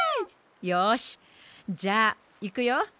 よしじゃあいくよ。